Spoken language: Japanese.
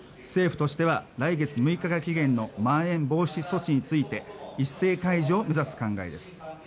政府としては来月６日が期限のまん延防止措置について一斉解除を目指す考えです。